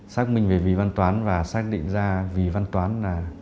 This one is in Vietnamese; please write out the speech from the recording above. xác minh về vì văn toán và xác định ra vì văn toán là